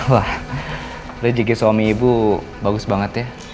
wah rejeki suami ibu bagus banget ya